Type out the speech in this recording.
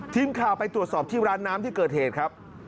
ทีมข่าวไปตรวจสอบที่ร้านน้ำที่เกิดเหตุครับ